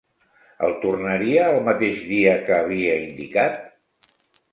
El tornaria el mateix dia que havia indicat?